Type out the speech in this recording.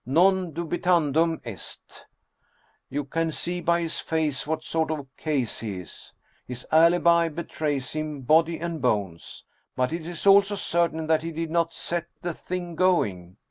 Non dubitandum est! You can see by his face what sort of a case he is ! His alibi be trays him, body and bones. But it is also certain that he did not set the thing going.